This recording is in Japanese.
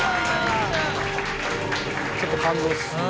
ちょっと感動っすよね。